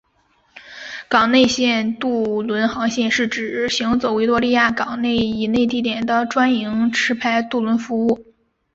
港内线渡轮航线是指行走维多利亚港以内地点的专营持牌渡轮服务。